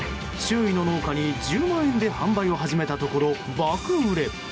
周囲の農家に１０万円で販売を始めたところ、爆売れ。